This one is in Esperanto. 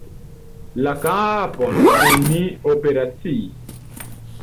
La kapon oni operaciis.